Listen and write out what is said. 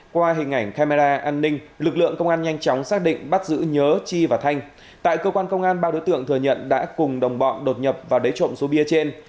qua hình ảnh camera an ninh lực lượng công an nhanh chóng xác định bắt giữ nhớ chi và thanh tại cơ quan công an ba đối tượng thừa nhận đã cùng đồng bọn đột nhập và lấy trộm số bia trên